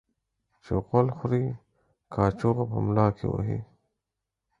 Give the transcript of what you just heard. چي غول خوري ، کاچوغه په ملا کې وهي.